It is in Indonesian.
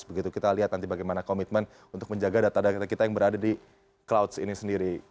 begitu kita lihat nanti bagaimana komitmen untuk menjaga data data kita yang berada di clouds ini sendiri